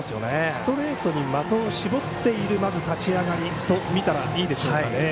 ストレートに的を絞っている立ち上がりと見たらいいでしょうかね。